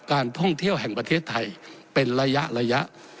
การท่องเที่ยวแห่งประเทศไทยเป็นระยะระยะ